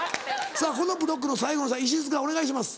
さぁこのブロックの最後石塚お願いします。